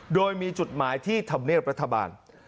โดยมีจุดหมายที่ธรรมเนียบรัฐบาล